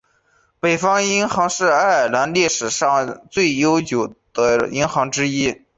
北方银行是爱尔兰历史最悠久的银行之一。